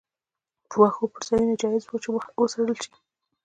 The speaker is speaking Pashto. په وښو پټ ځایونه جایز وو چې وڅرول شي.